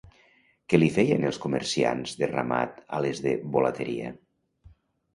Què li feien els comerciants de ramat a les de volateria?